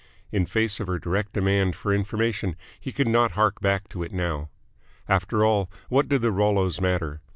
In face of her direct demand for information he could not hark back to it now. After all, what did the Rollos matter?